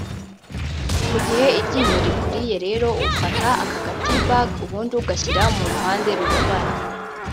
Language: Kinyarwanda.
mu gihe iryinyo rikuriye rero ufata ka ga tea bag ubundi ugashyira mu ruhande rubabara